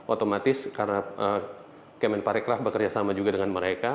otomatis karena kemen parikraf bekerjasama juga dengan mereka